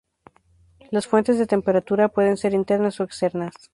Las fuentes de temperatura pueden ser internas o externas.